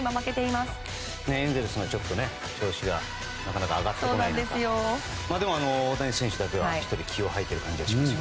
１−０でエンゼルスがちょっと調子がなかなか上がってこないですがでも、大谷選手だけは気を吐いている感じがします。